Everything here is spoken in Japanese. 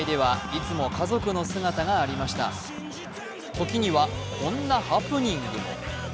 時にはこんなハプニングも。